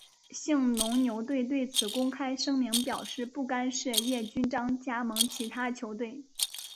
兴农牛队对此公开声明表示不干涉叶君璋加盟其他球队。